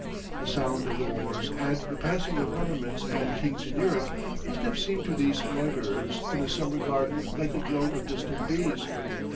The sound of the wars and the passing of governments and kings in Europe must have seemed to these loiterers in a summer garden like the drone of distant bees.